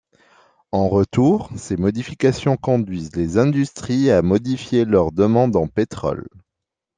En retour, ces modifications conduisent les industries à modifier leur demande en pétrole.